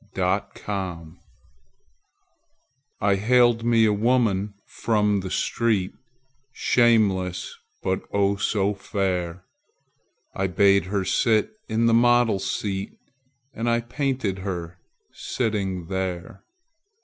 My Madonna I haled me a woman from the street, Shameless, but, oh, so fair! I bade her sit in the model's seat And I painted her sitting there.